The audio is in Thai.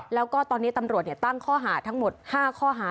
แล้วก็ตอนนี้ตำรวจตั้งข้อหาทั้งหมด๕ข้อหา